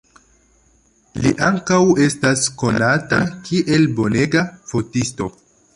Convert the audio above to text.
Li ankaŭ estas konata kiel bonega fotisto.